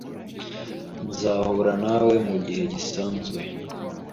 Nzahura nawe mugihe gisanzwe.